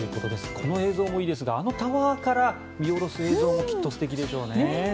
この映像もいいですがあのタワーから見下ろす映像もきっと素敵でしょうね。